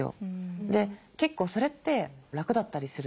で結構それって楽だったりする。